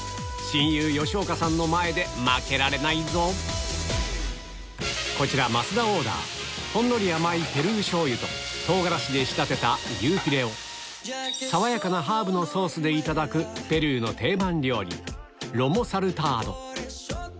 親友吉岡さんの前で負けられないぞこちら増田オーダーほんのり甘いペルーしょうゆと唐辛子で仕立てた牛フィレを爽やかなハーブのソースでいただくペルーの定番料理